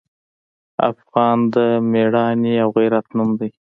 افغان د میړانې او غیرت نوم دی.